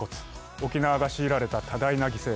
沖縄が強いられた多大な犠牲。